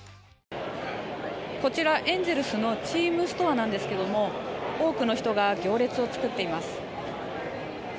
こちらエンゼルスのチームストアなんですけれども多くの人が行列を作っています。